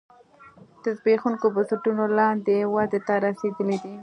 د زبېښونکو بنسټونو لاندې ودې ته رسېدلی دی